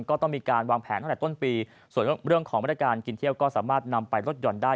ก็ต้องมีการวางแผนตั้งแต่ต้นปีส่วนเรื่องของบริการกินเที่ยวก็สามารถนำไปลดหย่อนได้